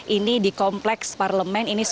ini di kompleks parlemen